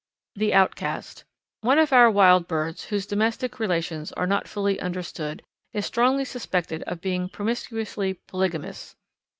The Outcast. One of our wild birds whose domestic relations are not fully understood is strongly suspected of being promiscuously polygamous.